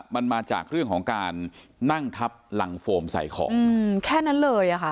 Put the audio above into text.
มันมาจากเรื่องของการนั่งทับรังโฟมใส่ของแค่นั้นเลย